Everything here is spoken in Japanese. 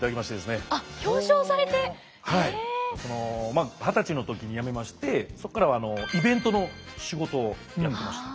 まあ二十歳の時に辞めましてそこからはイベントの仕事をやってました。